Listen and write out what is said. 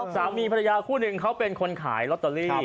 สามีภรรยาคู่หนึ่งเขาเป็นคนขายลอตเตอรี่